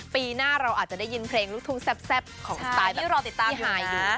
ปีหน้าเราอาจจะได้ยินเพลงลุกทุ้งแซ่บของสไตล์แบบพี่ฮายอยู่นะ